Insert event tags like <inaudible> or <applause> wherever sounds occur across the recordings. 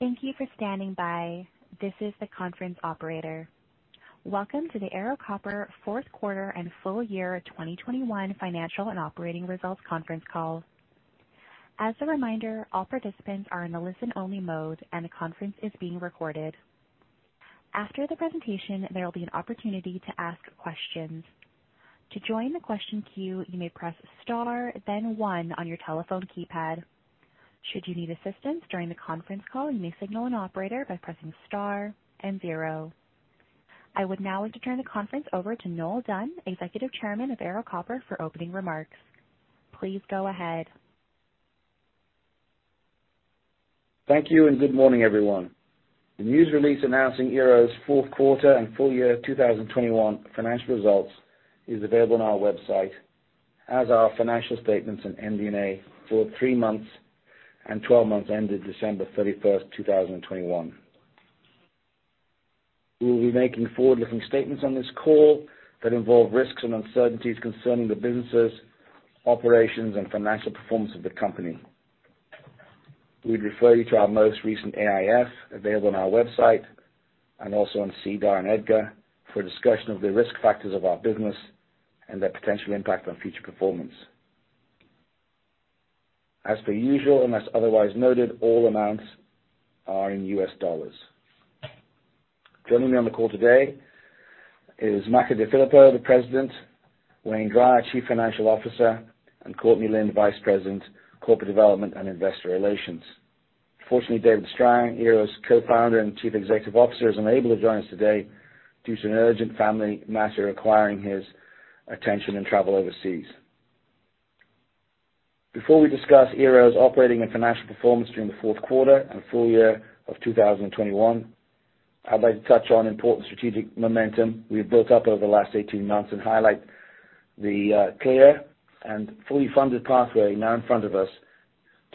Thank you for standing by. This is the conference operator. Welcome to the Ero Copper fourth quarter and full year 2021 financial and operating results conference call. As a reminder, all participants are in the listen-only mode, and the conference is being recorded. After the presentation, there will be an opportunity to ask questions. To join the question queue, you may press star then one on your telephone keypad. Should you need assistance during the conference call, you may signal an operator by pressing star and zero. I would now like to turn the conference over to Noel Dunn, Executive Chairman of Ero Copper, for opening remarks. Please go ahead. Thank you and good morning, everyone. The news release announcing Ero's fourth quarter and full year 2021 financial results is available on our website, as are our financial statements and MD&A for three months and 12 months ending December 31st, 2021. We will be making forward-looking statements on this call that involve risks and uncertainties concerning the businesses, operations, and financial performance of the company. We would refer you to our most recent AIF available on our website and also on SEDAR and EDGAR for a discussion of the risk factors of our business and their potential impact on future performance. As per usual, unless otherwise noted, all amounts are in US dollars. Joining me on the call today is Makko DeFilippo, President, Wayne Drier, our Chief Financial Officer, and Courtney Lynn, Vice President, Corporate Development and Investor Relations. Unfortunately, Dave Strang, Ero Copper's Co-founder and Chief Executive Officer, is unable to join us today due to an urgent family matter requiring his attention and travel overseas. Before we discuss Ero Copper's operating and financial performance during the fourth quarter and full year of 2021, I'd like to touch on important strategic momentum we have built up over the last 18 months and highlight the clear and fully funded pathway now in front of us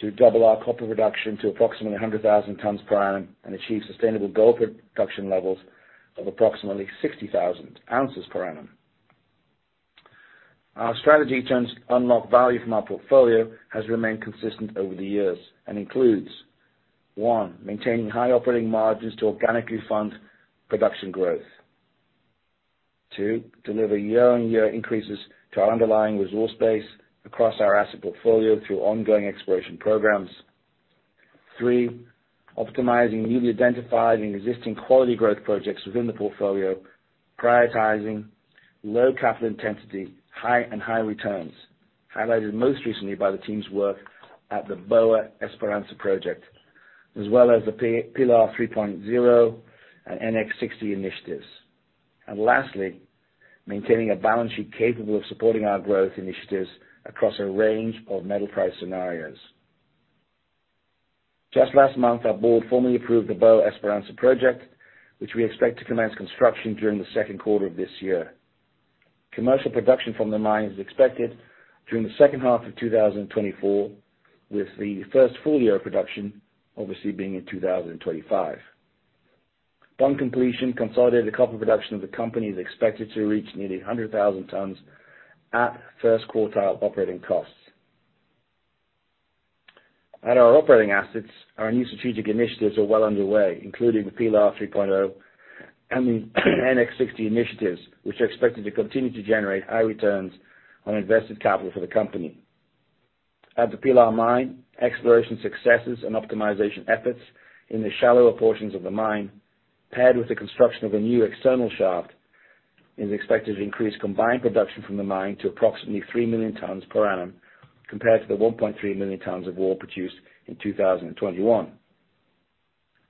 to double our copper production to approximately 100,000 tons per annum and achieve sustainable gold production levels of approximately 60,000 ounces per annum. Our strategy to unlock value from our portfolio has remained consistent over the years and includes, one, maintaining high operating margins to organically fund production growth. Two, deliver year-on-year increases to our underlying resource base across our asset portfolio through ongoing exploration programs. Three, optimizing newly identified and existing quality growth projects within the portfolio, prioritizing low capital intensity, high, and high returns, highlighted most recently by the team's work at the Boa Esperança project, as well as the Pilar 3.0 and NX60 initiatives. Lastly, maintaining a balance sheet capable of supporting our growth initiatives across a range of metal price scenarios. Just last month, our board formally approved the Boa Esperança project, which we expect to commence construction during the second quarter of this year. Commercial production from the mine is expected during the second half of 2024, with the first full year of production obviously being in 2025. Upon completion, consolidated copper production of the company is expected to reach nearly 100,000 tons at first-quartile operating costs. At our operating assets, our new strategic initiatives are well underway, including the Pilar 3.0 and the NX60 initiatives, which are expected to continue to generate high returns on invested capital for the company. At the Pilar Mine, exploration successes and optimization efforts in the shallower portions of the mine, paired with the construction of a new external shaft, is expected to increase combined production from the mine to approximately 3 million tons per annum compared to the 1.3 million tons of ore produced in 2021.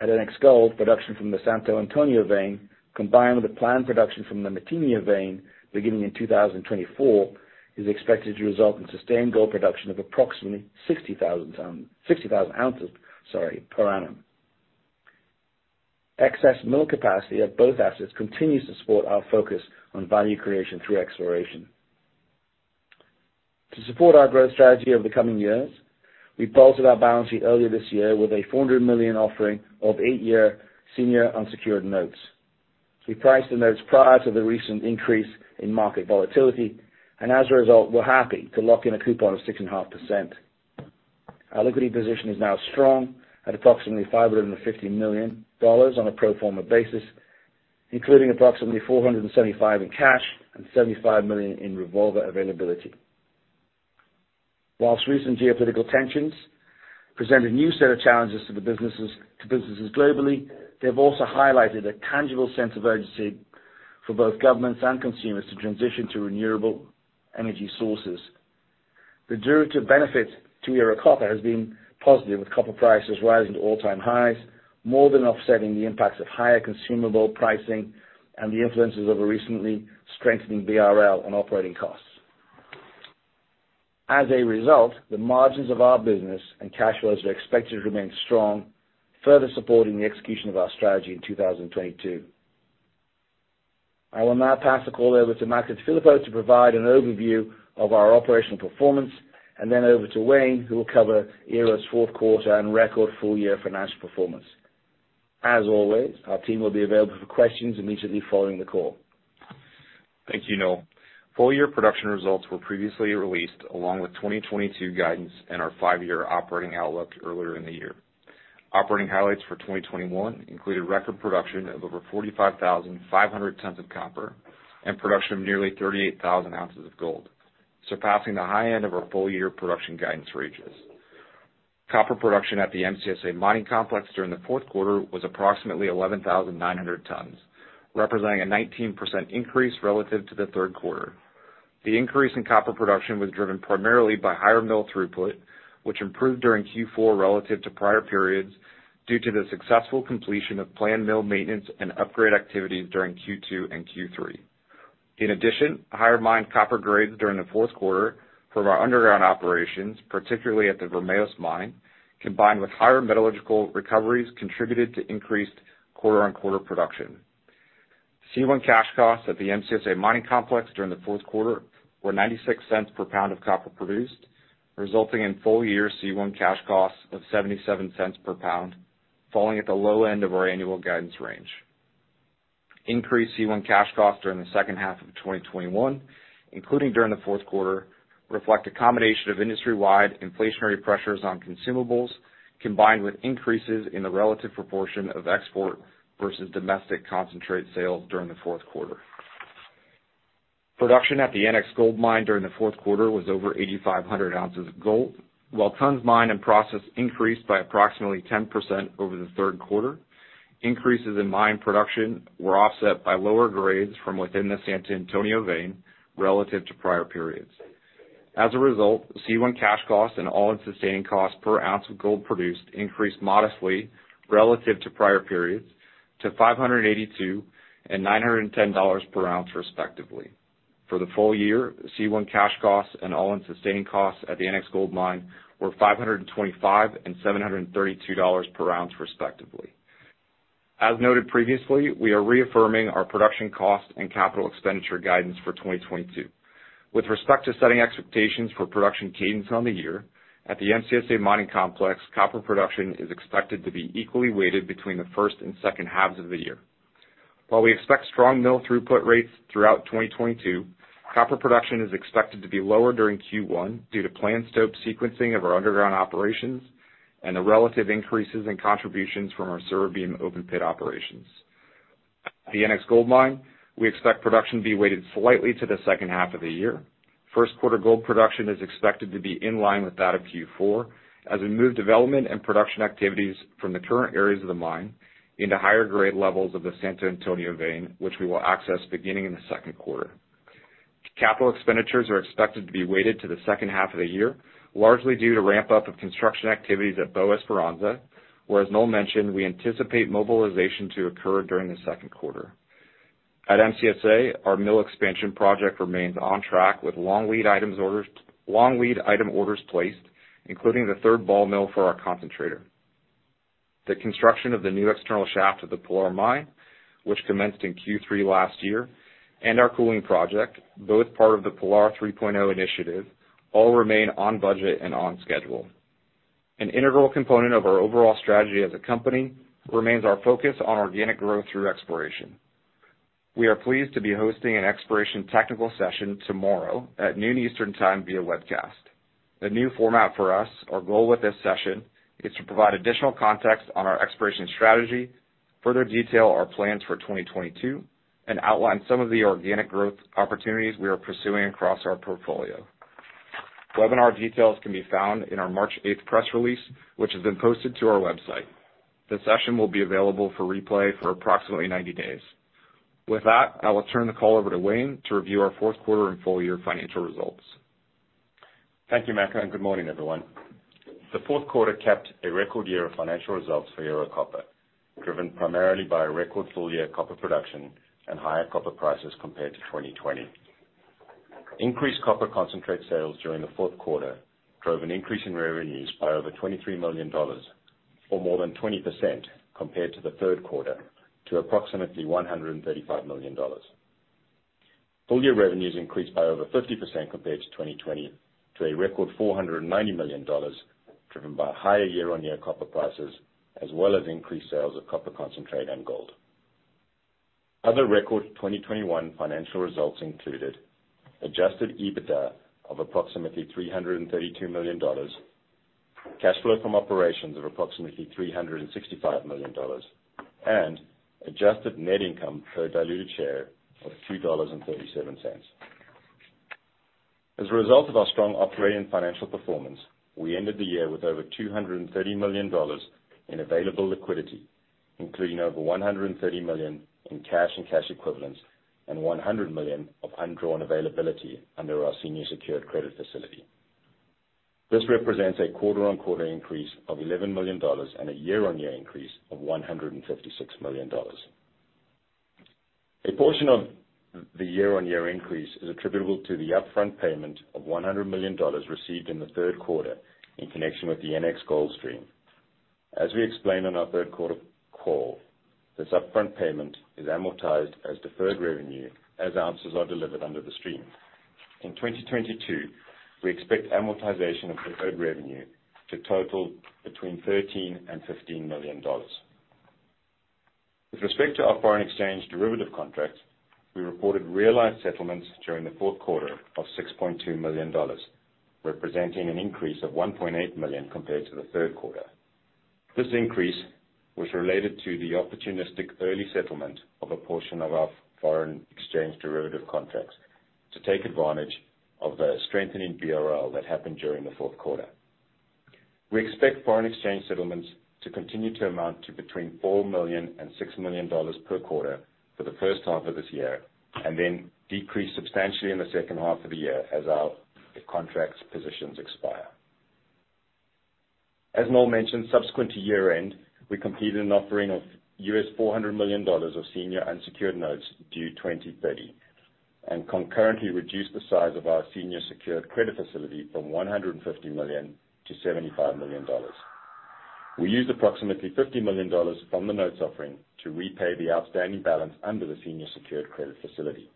At NX Gold, production from the Santo Antonio vein, combined with the planned production from the Matinha vein beginning in 2024, is expected to result in sustained gold production of approximately 60,000 ounces per annum. Excess mill capacity at both assets continues to support our focus on value creation through exploration. To support our growth strategy over the coming years, we bolstered our balance sheet earlier this year with a $400 million offering of eight-year senior unsecured notes. We priced the notes prior to the recent increase in market volatility, and as a result, we're happy to lock in a coupon of 6.5%. Our liquidity position is now strong at approximately $550 million on a pro forma basis, including approximately $475 million in cash and $75 million in revolver availability. While recent geopolitical tensions present a new set of challenges to businesses globally, they've also highlighted a tangible sense of urgency for both governments and consumers to transition to renewable energy sources. The derivative benefit to Ero Copper has been positive, with copper prices rising to all-time highs, more than offsetting the impacts of higher consumable pricing and the influences of a recently strengthening BRL on operating costs. As a result, the margins of our business and cash flows are expected to remain strong, further supporting the execution of our strategy in 2022. I will now pass the call over to Makko DeFilippo to provide an overview of our operational performance, and then over to Wayne, who will cover Ero's fourth quarter and record full-year financial performance. As always, our team will be available for questions immediately following the call. Thank you, Noel. Full year production results were previously released along with 2022 guidance and our five-year operating outlook earlier in the year. Operating highlights for 2021 included record production of over 45,500 tons of copper and production of nearly 38,000 ounces of gold, surpassing the high end of our full-year production guidance ranges. Copper production at the MCSA mining complex during the fourth quarter was approximately 11,900 tons, representing a 19% increase relative to the third quarter. The increase in copper production was driven primarily by higher mill throughput, which improved during Q4 relative to prior periods due to the successful completion of planned mill maintenance and upgrade activities during Q2 and Q3. In addition, higher mined copper grades during the fourth quarter from our underground operations, particularly at the Vermelhos mine, combined with higher metallurgical recoveries, contributed to increased quarter-on-quarter production. C1 cash costs at the MCSA mining complex during the fourth quarter were $0.96 per pound of copper produced, resulting in full-year C1 cash costs of $0.77 per pound, falling at the low end of our annual guidance range. Increased C1 cash costs during the second half of 2021, including during the fourth quarter, reflect a combination of industry-wide inflationary pressures on consumables, combined with increases in the relative proportion of export versus domestic concentrate sales during the fourth quarter. Production at the NX Gold Mine during the fourth quarter was over 8,500 ounces of gold. While tons mined and processed increased by approximately 10% over the third quarter, increases in mine production were offset by lower grades from within the Santo Antonio vein relative to prior periods. As a result, C1 cash costs and all-in sustaining costs per ounce of gold produced increased modestly relative to prior periods to $582 and $910 per ounce, respectively. For the full year, C1 cash costs and all-in sustaining costs at the NX Gold Mine were $525 and $732 per ounce, respectively. As noted previously, we are reaffirming our production cost and capital expenditure guidance for 2022. With respect to setting expectations for production cadence on the year, at the MCSA mining complex, copper production is expected to be equally weighted between the first and second halves of the year. While we expect strong mill throughput rates throughout 2022, copper production is expected to be lower during Q1 due to planned stope sequencing of our underground operations and the relative increases in contributions from our Surubim open pit operations. At the NX Gold Mine, we expect production to be weighted slightly to the second half of the year. First quarter gold production is expected to be in line with that of Q4 as we move development and production activities from the current areas of the mine into higher grade levels of the Santo Antonio vein, which we will access beginning in the second quarter. Capital expenditures are expected to be weighted to the second half of the year, largely due to ramp up of construction activities at Boa Esperança, where, as Noel mentioned, we anticipate mobilization to occur during the second quarter. At MCSA, our mill expansion project remains on track with long lead item orders placed, including the third ball mill for our concentrator. The construction of the new external shaft of the Pilar Mine, which commenced in Q3 last year, and our cooling project, both part of the Pilar 3.0 initiative, all remain on budget and on schedule. An integral component of our overall strategy as a company remains our focus on organic growth through exploration. We are pleased to be hosting an exploration technical session tomorrow at noon Eastern Time via webcast. A new format for us, our goal with this session is to provide additional context on our exploration strategy, further detail our plans for 2022, and outline some of the organic growth opportunities we are pursuing across our portfolio. Webinar details can be found in our March eighth press release, which has been posted to our website. The session will be available for replay for approximately 90 days. With that, I will turn the call over to Wayne to review our fourth quarter and full year financial results. Thank you, Makko, and good morning, everyone. The fourth quarter capped a record year of financial results for Ero Copper, driven primarily by a record full-year copper production and higher copper prices compared to 2020. Increased copper concentrate sales during the fourth quarter drove an increase in revenues by over $23 million or more than 20% compared to the third quarter to approximately $135 million. Full-year revenues increased by over 50% compared to 2020 to a record $490 million, driven by higher year-on-year copper prices as well as increased sales of copper concentrate and gold. Our record 2021 financial results included Adjusted EBITDA of approximately $332 million, cash flow from operations of approximately $365 million, and adjusted net income per diluted share of $2.37. As a result of our strong operating and financial performance, we ended the year with over $230 million in available liquidity, including over $130 million in cash and cash equivalents and $100 million of undrawn availability under our senior secured credit facility. This represents a quarter-on-quarter increase of $11 million and a year-on-year increase of $156 million. A portion of the year-on-year increase is attributable to the upfront payment of $100 million received in the third quarter in connection with the NX Gold Stream. As we explained on our third quarter call, this upfront payment is amortized as deferred revenue as ounces are delivered under the stream. In 2022, we expect amortization of deferred revenue to total between $13 million and $15 million. With respect to our foreign exchange derivative contracts, we reported realized settlements during the fourth quarter of $6.2 million, representing an increase of $1.8 million compared to the third quarter. This increase was related to the opportunistic early settlement of a portion of our foreign exchange derivative contracts to take advantage of the strengthening BRL that happened during the fourth quarter. We expect foreign exchange settlements to continue to amount to between $4 million and $6 million per quarter for the first half of this year, and then decrease substantially in the second half of the year as our contracts positions expire. As Noel mentioned, subsequent to year-end, we completed an offering of $400 million of senior unsecured notes due 2030, and concurrently reduced the size of our senior secured credit facility from $150 million-$75 million. We used approximately $50 million from the notes offering to repay the outstanding balance under the senior secured credit facility.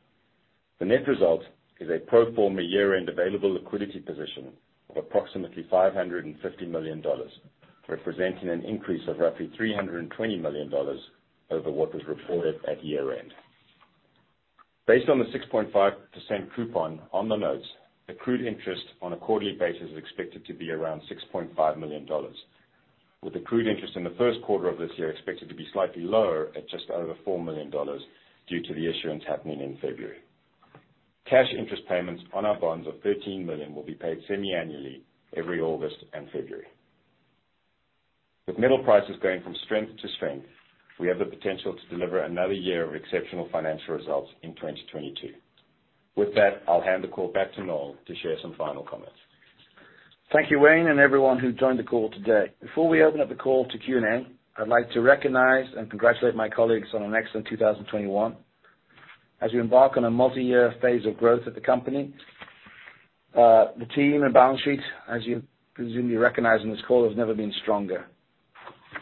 The net result is a pro forma year-end available liquidity position of approximately $550 million, representing an increase of roughly $320 million over what was reported at year-end. Based on the 6.5% coupon on the notes, the accrued interest on a quarterly basis is expected to be around $6.5 million, with the accrued interest in the first quarter of this year expected to be slightly lower at just over $4 million due to the issuance happening in February. Cash interest payments on our bonds of $13 million will be paid semi-annually every August and February. With metal prices going from strength to strength, we have the potential to deliver another year of exceptional financial results in 2022. With that, I'll hand the call back to Noel to share some final comments. Thank you, Wayne, and everyone who joined the call today. Before we open up the call to Q&A, I'd like to recognize and congratulate my colleagues on an excellent 2021. As we embark on a multiyear phase of growth of the company, the team and balance sheet, as you presumably recognize on this call, has never been stronger.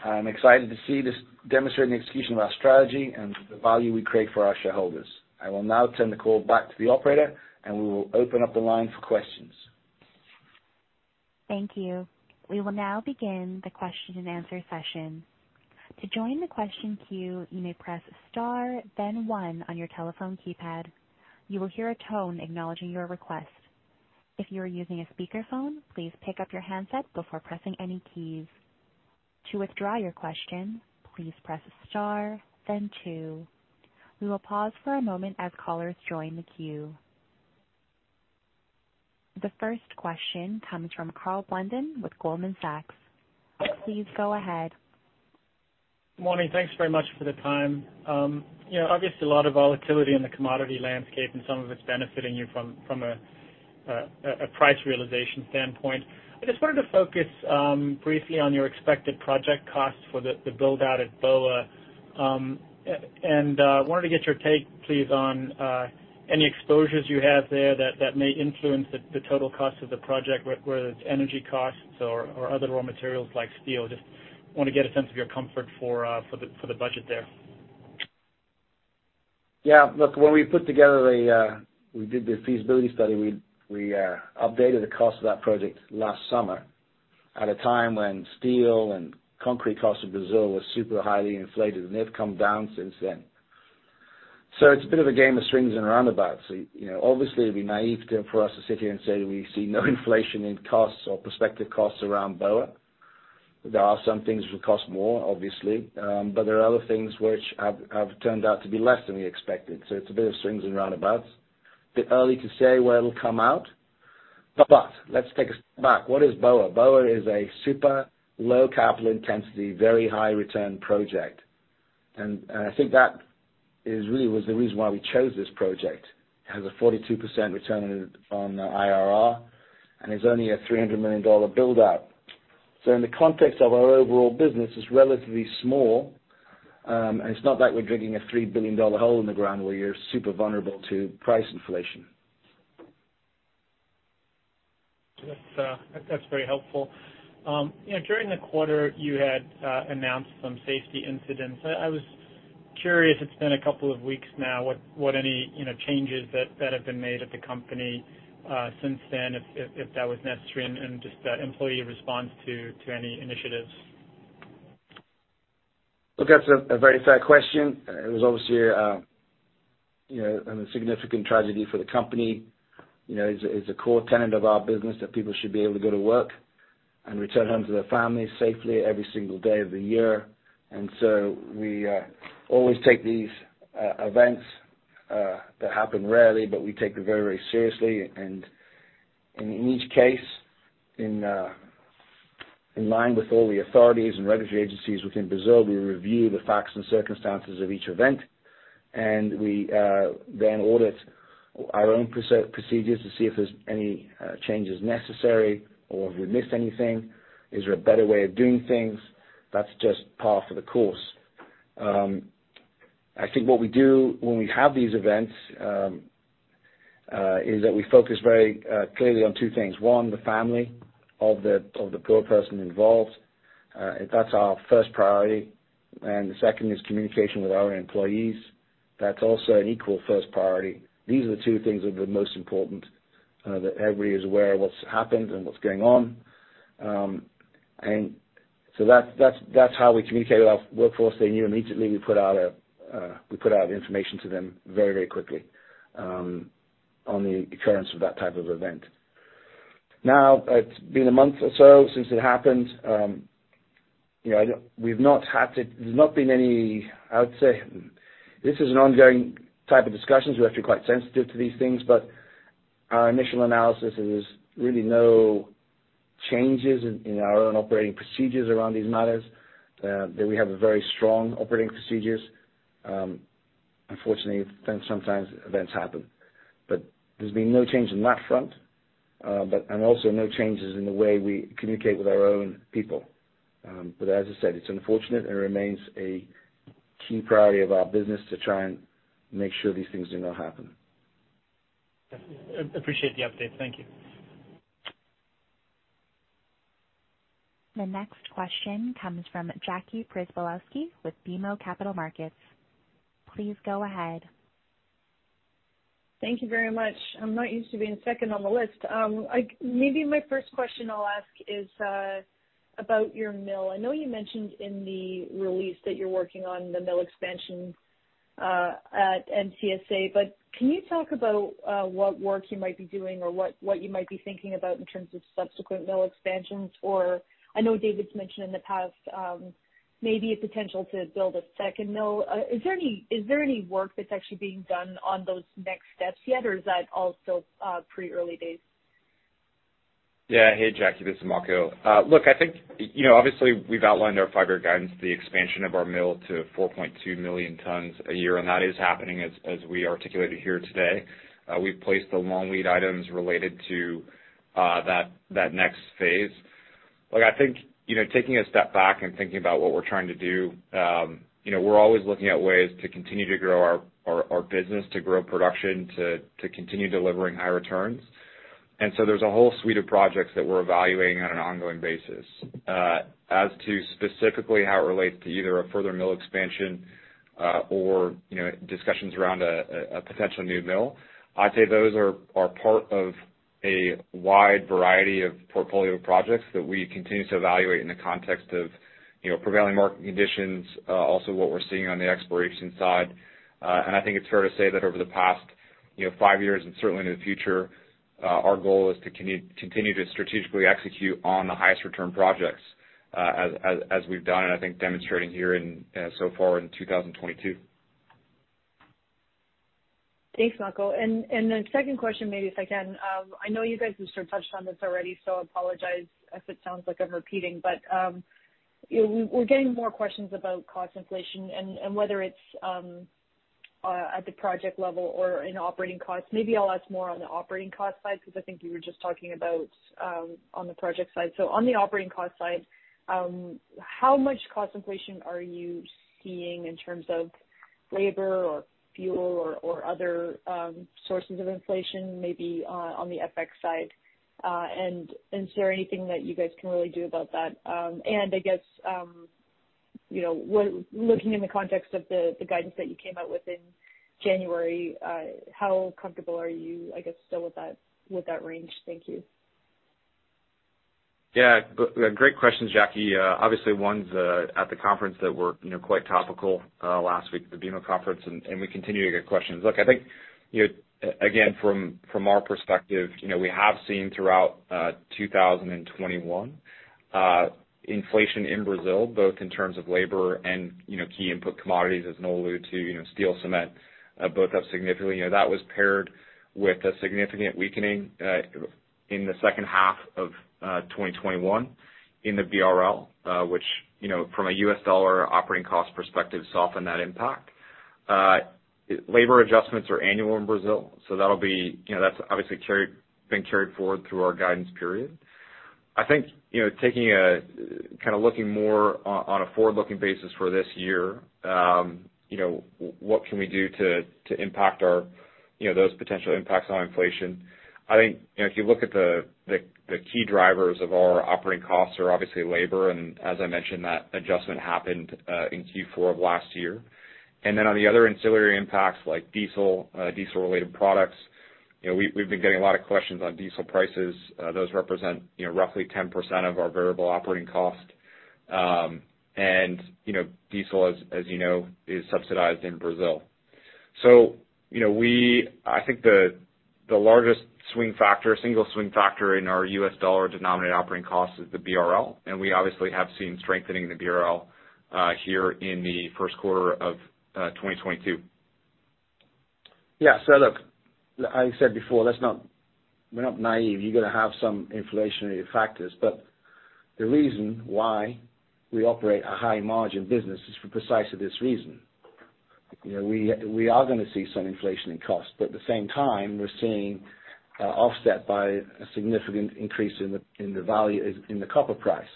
I'm excited to see this demonstrating execution of our strategy and the value we create for our shareholders. I will now turn the call back to the operator, and we will open up the line for questions. Thank you. We will now begin the question-and-answer session. To join the question queue, you may press star then one on your telephone keypad. You will hear a tone acknowledging your request. If you are using a speakerphone, please pick up your handset before pressing any keys. To withdraw your question, please press star then two. We will pause for a moment as callers join the queue. The first question comes from Karl Blunden with Goldman Sachs. Please go ahead. Morning. Thanks very much for the time. You know, obviously a lot of volatility in the commodity landscape and some of it's benefiting you from a price realization standpoint. I just wanted to focus briefly on your expected project costs for the build-out at Boa and wanted to get your take, please, on any exposures you have there that may influence the total cost of the project, whether it's energy costs or other raw materials like steel. Just wanna get a sense of your comfort for the budget there. Yeah. Look, when we put together, we did the feasibility study, we updated the cost of that project last summer at a time when steel and concrete costs in Brazil were super highly inflated, and they've come down since then. It's a bit of a game of swings and roundabouts. You know, obviously it'd be naive for us to sit here and say we see no inflation in costs or prospective costs around Boa. There are some things which will cost more, obviously, but there are other things which have turned out to be less than we expected. It's a bit of swings and roundabouts. A bit early to say where it'll come out. Let's take a step back. What is Boa? Boa is a super low capital intensity, very high return project. I think that really was the reason why we chose this project. It has a 42% return on IRR, and it's only a $300 million build-out. In the context of our overall business, it's relatively small, and it's not like we're digging a $3 billion hole in the ground where you're super vulnerable to price inflation. That's very helpful. You know, during the quarter, you had announced some safety incidents. I was curious, it's been a couple of weeks now, what any changes that have been made at the company since then, if that was necessary and just employee response to any initiatives. Look, that's a very fair question. It was obviously, you know, a significant tragedy for the company. You know, it's a core tenet of our business that people should be able to go to work and return home to their families safely every single day of the year. We always take these events that happen rarely, but we take them very, very seriously. In each case, in line with all the authorities and regulatory agencies within Brazil, we review the facts and circumstances of each event, and we then audit our own procedures to see if there's any changes necessary or if we missed anything. Is there a better way of doing things? That's just par for the course. I think what we do when we have these events is that we focus very clearly on two things. One, the family of the poor person involved. That's our first priority. The second is communication with our employees. That's also an equal first priority. These are the two things that are the most important, that everybody is aware of what's happened and what's going on. That's how we communicate with our workforce. They knew immediately. We put out information to them very, very quickly on the occurrence of that type of event. Now, it's been a month or so since it happened. You know, we've not had to. There's not been any. I would say this is an ongoing type of discussions. We have to be quite sensitive to these things, but our initial analysis is really no changes in our own operating procedures around these matters that we have a very strong operating procedures. Unfortunately, then sometimes events happen. There's been no change on that front, but also no changes in the way we communicate with our own people. As I said, it's unfortunate and remains a key priority of our business to try and make sure these things do not happen. Appreciate the update. Thank you. The next question comes from Jackie Przybylowski with BMO Capital Markets. Please go ahead. Thank you very much. I'm not used to being second on the list. Maybe my first question I'll ask is about your mill. I know you mentioned in the release that you're working on the mill expansion at MCSA, but can you talk about what work you might be doing or what you might be thinking about in terms of subsequent mill expansions? I know David's mentioned in the past maybe a potential to build a second mill. Is there any work that's actually being done on those next steps yet? Is that also pretty early days? Yeah. Hey, Jackie, this is Makko. Look, I think, you know, obviously, we've outlined our five-year guidance, the expansion of our mill to 4.2 million tons a year, and that is happening as we articulated here today. We've placed the long lead items related to that next phase. Look, I think, you know, taking a step back and thinking about what we're trying to do, you know, we're always looking at ways to continue to grow our business, to grow production, to continue delivering high returns. There's a whole suite of projects that we're evaluating on an ongoing basis. As to specifically how it relates to either a further mill expansion, or, you know, discussions around a potential new mill, I'd say those are part of a wide variety of portfolio projects that we continue to evaluate in the context of, you know, prevailing market conditions, also what we're seeing on the exploration side. I think it's fair to say that over the past, you know, five years and certainly into the future, our goal is to continue to strategically execute on the highest return projects, as we've done and I think demonstrating here in so far in 2022. Thanks, Makko. The second question, maybe if I can, I know you guys have sort of touched on this already, so apologize if it sounds like I'm repeating, but, you know, we're getting more questions about cost inflation and whether it's at the project level or in operating costs. Maybe I'll ask more on the operating cost side because I think you were just talking about on the project side. On the operating cost side, how much cost inflation are you seeing in terms of labor or fuel or other sources of inflation, maybe on the FX side? And is there anything that you guys can really do about that? I guess, you know, when looking in the context of the guidance that you came out with in January, how comfortable are you, I guess, still with that range? Thank you. Yeah. Great questions, Jackie. Obviously ones at the conference that were, you know, quite topical last week at the BMO conference, and we continue to get questions. Look, I think, you know, again, from our perspective, you know, we have seen throughout 2021 inflation in Brazil, both in terms of labor and, you know, key input commodities, as Noel alluded to, you know, steel, cement both up significantly. You know, that was paired with a significant weakening in the second half of 2021 in the BRL, which, you know, from a U.S. dollar operating cost perspective softened that impact. Labor adjustments are annual in Brazil, so that'll be, you know, that's obviously been carried forward through our guidance period. I think, you know, taking a kind of looking more on a forward-looking basis for this year, you know, what can we do to impact our, you know, those potential impacts on inflation? I think, you know, if you look at the key drivers of our operating costs are obviously labor, and as I mentioned, that adjustment happened in Q4 of last year. On the other ancillary impacts like diesel-related products, you know, we've been getting a lot of questions on diesel prices. Those represent, you know, roughly 10% of our variable operating cost. You know, diesel as you know is subsidized in Brazil. You know, I think the largest single swing factor in our U.S. dollar denominated operating cost is the BRL, and we obviously have seen strengthening the BRL here in the first quarter of 2022. Look, I said before, we're not naive. You're gonna have some inflationary factors. The reason why we operate a high margin business is for precisely this reason. You know, we are gonna see some inflation in cost, but at the same time, we're seeing offset by a significant increase in the value of the copper price.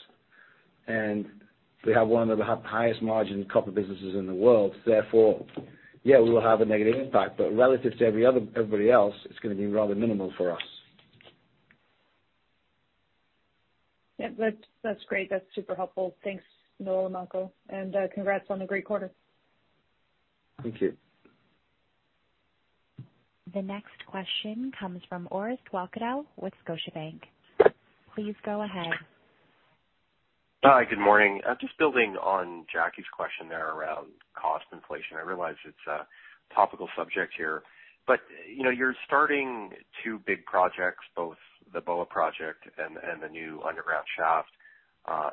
We have one of the highest margin copper businesses in the world. Therefore, yeah, we will have a negative impact, but relative to everybody else, it's gonna be rather minimal for us. Yeah. That's great. That's super helpful. Thanks, Noel and Makko, and congrats on a great quarter. Thank you. The next question comes from Orest Wowkodaw with Scotiabank. Please go ahead. Hi, good morning. Just building on Jackie's question there around cost inflation. I realize it's a topical subject here, but, you know, you're starting two big projects, both the Boa project and the new underground shaft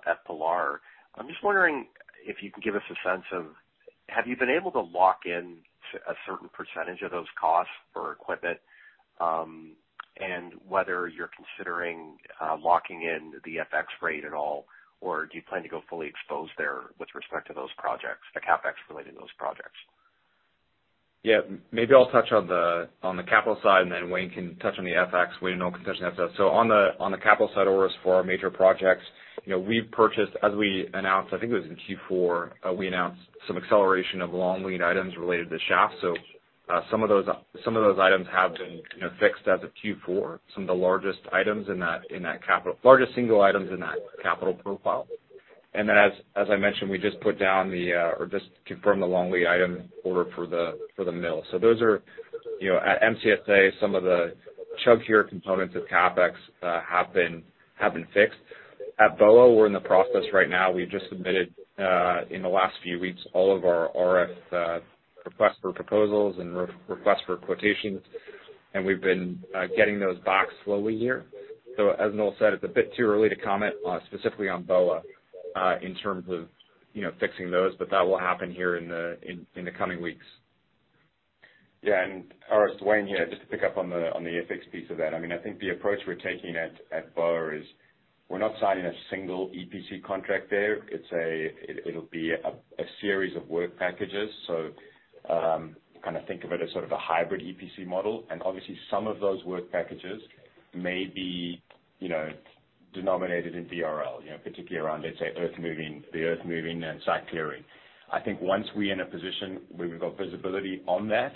at Pilar. I'm just wondering if you can give us a sense of have you been able to lock in a certain percentage of those costs for equipment, and whether you're considering locking in the FX rate at all, or do you plan to go fully exposed there with respect to those projects, the CapEx related to those projects? Maybe I'll touch on the capital side, and then Wayne can touch on the FX. Wayne and Noel can touch on FX. On the capital side, Orest, for our major projects, you know, we've purchased, as we announced, I think it was in Q4, we announced some acceleration of long lead items related to the shaft. Some of those items have been, you know, fixed as of Q4, some of the largest single items in that capital profile. As I mentioned, we just confirmed the long lead item order for the mill. Those are, you know, at MCSA, some of the chunkier components of CapEx, have been fixed. At Boa, we're in the process right now. We've just submitted in the last few weeks all of our RF request for proposals and re-request for quotations, and we've been getting those back slowly here. As Noel said, it's a bit too early to comment specifically on Boa in terms of you know fixing those, but that will happen here in the coming weeks. Yeah. Orest, Wayne here. Just to pick up on the FX piece of that. I mean, I think the approach we're taking at Boa is we're not signing a single EPC contract there. It'll be a series of work packages. Kind of think of it as sort of a hybrid EPC model. Obviously some of those work packages may be, you know, denominated in BRL, you know, particularly around, let's say, earth moving and site clearing. I think once we're in a position where we've got visibility on that,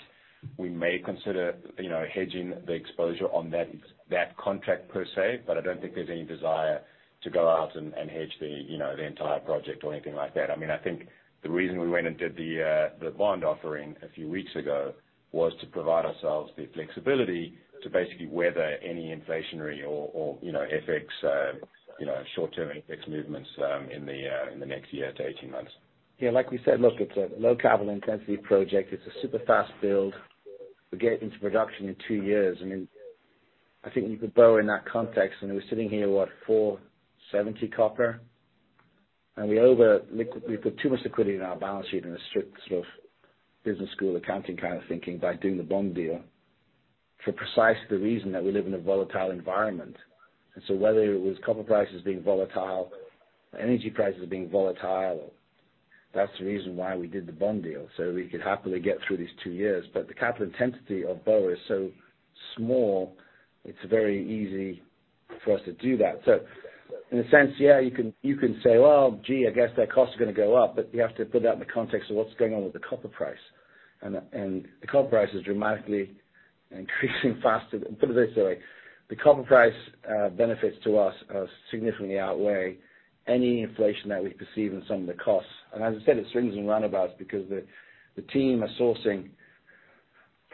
we may consider, you know, hedging the exposure on that contract per se. But I don't think there's any desire to go out and hedge the entire project or anything like that. I mean, I think the reason we went and did the bond offering a few weeks ago was to provide ourselves the flexibility to basically weather any inflationary or you know FX you know short-term FX movements in the next year to 18 months. Yeah, like we said, look, it's a low capital intensity project. It's a super fast build. We get into production in two years. I mean, I think with Boa in that context, and we're sitting here, what, $4.70 copper, and we put too much liquidity in our balance sheet in a strict sort of business school accounting kind of thinking by doing the bond deal for precisely the reason that we live in a volatile environment. Whether it was copper prices being volatile or energy prices being volatile, that's the reason why we did the bond deal, so we could happily get through these two years. The capital intensity of Boa is so small, it's very easy for us to do that. In a sense, yeah, you can say, "Well, gee, I guess that cost is gonna go up," but you have to put that in the context of what's going on with the copper price. The copper price is dramatically increasing faster. Put it this way, the copper price benefits to us significantly outweigh any inflation that we perceive in some of the costs. As I said, it's swings and roundabouts because the team are sourcing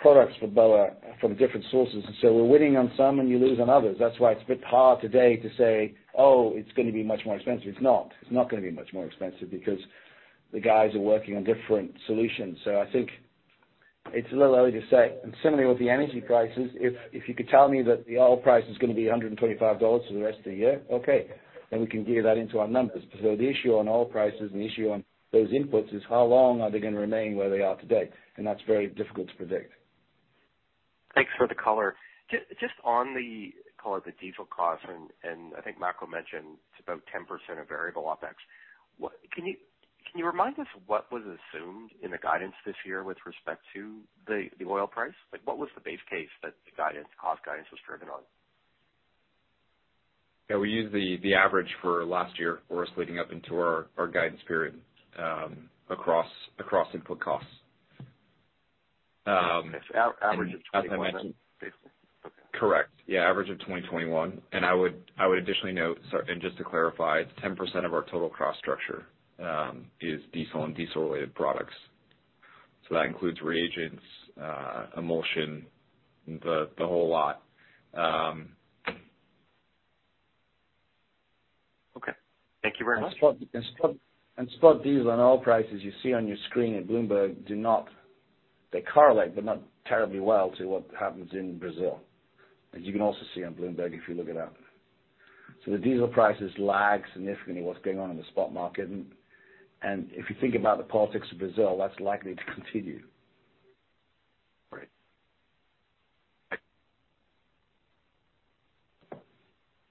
products for Boa from different sources, and so we're winning on some and you lose on others. That's why it's a bit hard today to say, "Oh, it's gonna be much more expensive." It's not. It's not gonna be much more expensive because the guys are working on different solutions. I think it's a little early to say. Similarly with the energy prices, if you could tell me that the oil price is gonna be $125 for the rest of the year, okay, then we can bake that into our numbers. The issue on oil prices and the issue on those inputs is how long are they gonna remain where they are today? That's very difficult to predict. Thanks for the color. Just on the, call it the diesel costs, and I think Makko mentioned it's about 10% of variable OpEx. Can you remind us what was assumed in the guidance this year with respect to the oil price? Like, what was the base case that the guidance, cost guidance was driven on? Yeah, we used the average for last year, Orest, leading up into our guidance period across input costs. As I mentioned <crosstalk> Average of 2021 basically. Correct. Yeah, average of 2021. I would additionally note, so and just to clarify, 10% of our total cost structure is diesel and diesel-related products. That includes reagents, emulsion, the whole lot. Okay. Thank you very much. Spot diesel and oil prices you see on your screen at Bloomberg do not correlate, but not terribly well to what happens in Brazil, as you can also see on Bloomberg if you look it up. The diesel prices lag significantly what's going on in the spot market. If you think about the politics of Brazil, that's likely to continue. Great.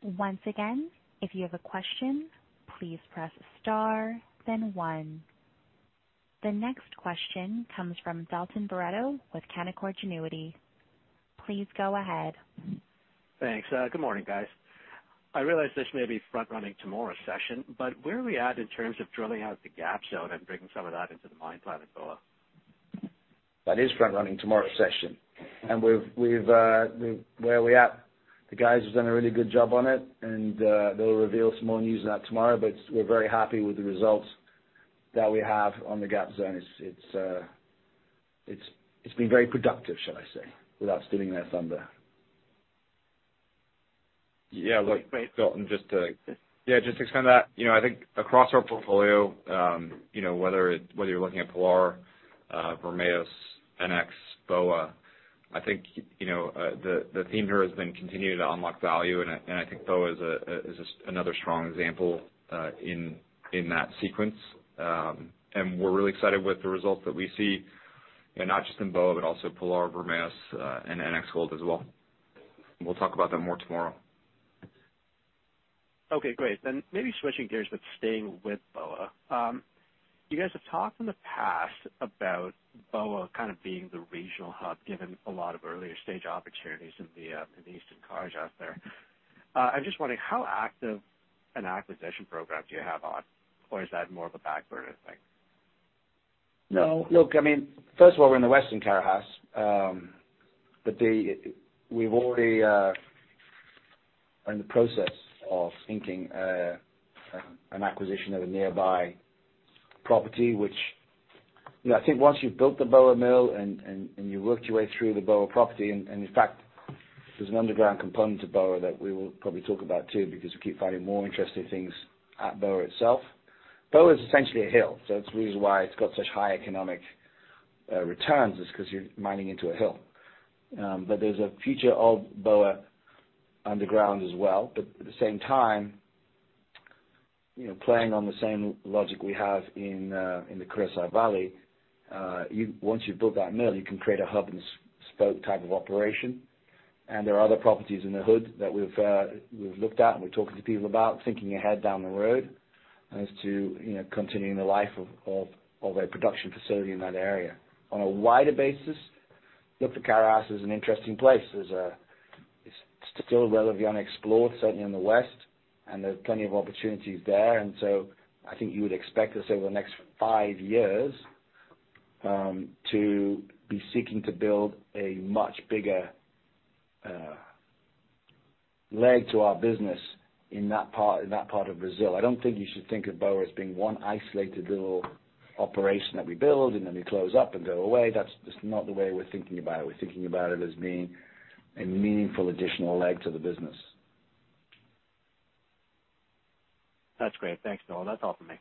Once again, if you have a question, please press star then one. The next question comes from Dalton Barretto with Canaccord Genuity. Please go ahead. Thanks. Good morning, guys. I realize this may be front-running tomorrow's session, but where are we at in terms of drilling out the Gap Zone and bringing some of that into the mine plan at Boa? That is front-running tomorrow's session. Where are we at? The guys have done a really good job on it and they'll reveal some more news on that tomorrow, but we're very happy with the results that we have on the Gap Zone. It's been very productive, shall I say, without stealing their thunder. Yeah. Look, just to extend that, you know, I think across our portfolio, you know, whether you're looking at Pilar, Vermelhos, NX, Boa, I think, you know, the theme here has been continuing to unlock value, and I think Boa is just another strong example, in that sequence. We're really excited with the results that we see, you know, not just in Boa, but also Pilar, Vermelhos, and NX Gold as well. We'll talk about them more tomorrow. Okay, great. Maybe switching gears, but staying with Boa. You guys have talked in the past about Boa kind of being the regional hub, given a lot of earlier stage opportunities in the Eastern Carajás there. I'm just wondering how active an acquisition program do you have on, or is that more of a backburner thing? No. Look, I mean, first of all, we're in the Western Carajás. We've already are in the process of thinking an acquisition of a nearby property, which. You know, I think once you've built the Boa mill and you worked your way through the Boa property, and in fact, there's an underground component to Boa that we will probably talk about too, because we keep finding more interesting things at Boa itself. Boa is essentially a hill, so it's the reason why it's got such high economic returns, is 'cause you're mining into a hill. But there's a future of Boa underground as well. At the same time, you know, playing on the same logic we have in the Caraíba Valley, once you've built that mill, you can create a hub and spoke type of operation. There are other properties in the hood that we've looked at and we're talking to people about thinking ahead down the road as to, you know, continuing the life of a production facility in that area. On a wider basis, look, the Carajás is an interesting place. It's still relatively unexplored, certainly in the west, and there are plenty of opportunities there. I think you would expect us over the next five years to be seeking to build a much bigger leg to our business in that part of Brazil. I don't think you should think of Boa as being one isolated little operation that we build and then we close up and go away. That's just not the way we're thinking about it. We're thinking about it as being a meaningful additional leg to the business. That's great. Thanks, Noel. That's all for me.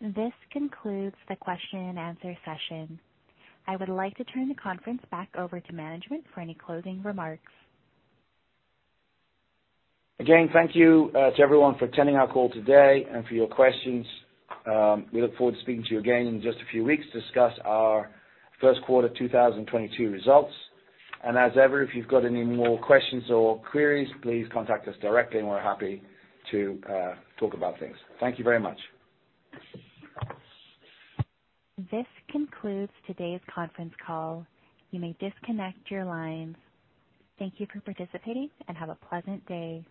This concludes the question and answer session. I would like to turn the conference back over to management for any closing remarks. Again, thank you to everyone for attending our call today and for your questions. We look forward to speaking to you again in just a few weeks to discuss our first quarter 2022 results. As ever, if you've got any more questions or queries, please contact us directly and we're happy to talk about things. Thank you very much. This concludes today's conference call. You may disconnect your lines. Thank you for participating and have a pleasant day.